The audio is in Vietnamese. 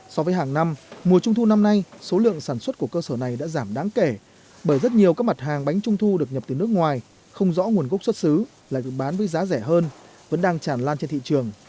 so với hàng năm mùa trung thu năm nay số lượng sản xuất của cơ sở này đã giảm đáng kể bởi rất nhiều các mặt hàng bánh trung thu được nhập từ nước ngoài không rõ nguồn gốc xuất xứ lại được bán với giá rẻ hơn vẫn đang tràn lan trên thị trường